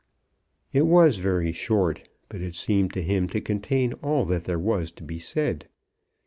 It was very short, but it seemed to him to contain all that there was to be said.